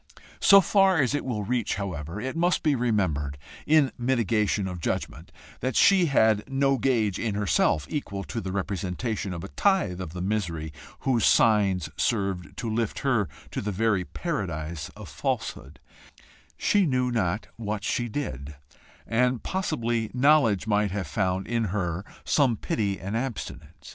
So far as it will reach, however, it must be remembered, in mitigation of judgment, that she had no gauge in herself equal to the representation of a tithe of the misery whose signs served to lift her to the very Paradise of falsehood: she knew not what she did, and possibly knowledge might have found in her some pity and abstinence.